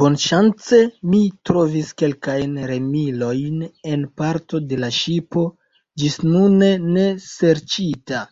Bonŝance, mi trovis kelkajn remilojn en parto de la ŝipo ĝisnune neserĉita.